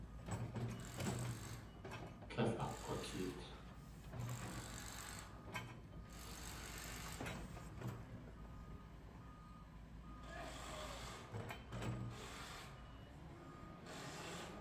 Tlél akg̲wakeet.